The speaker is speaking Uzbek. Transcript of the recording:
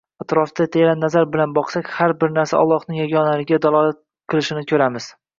Atrofga teran nazar bilan boqsak, har bir narsa Allohning yagonaligiga dalolat qilishini ko‘ramiz.